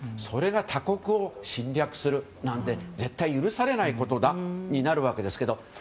それが他国を侵略するなんて絶対許されないことだとなるわけですけれども。